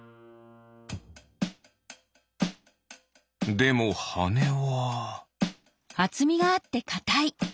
でもはねは。